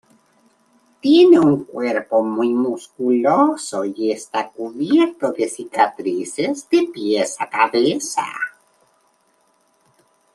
Tiene un cuerpo muy musculoso y está cubierto de cicatrices de pies a cabeza.